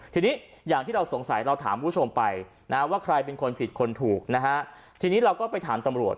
ทีนี้อย่างที่เราสงสัยเราถามคุณผู้ชมไปนะว่าใครเป็นคนผิดคนถูกนะฮะทีนี้เราก็ไปถามตำรวจ